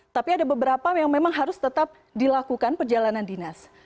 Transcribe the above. tapi ada beberapa yang memang harus tetap dilakukan perjalanan dinas